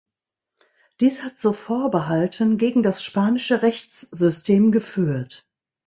Dies hat zu Vorbehalten gegen das spanische Rechtssystem geführt.